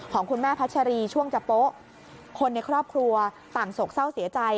ของคุณแม่พัชรีช่วงจะโป๊ะคนในครอบครัวต่างโศกเศร้าเสียใจ